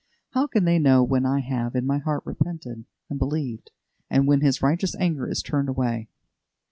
How can they know when I have in my heart repented and believed, and when His righteous anger is turned away?